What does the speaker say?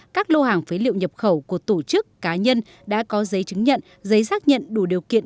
các lô hàng phế liệu nhập khẩu của tổ chức cá nhân đã có giấy chứng nhận giấy xác nhận đủ điều kiện